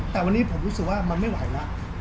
แต่วันนี้ผมรู้สึกว่ามันไม่ไหวแล้ว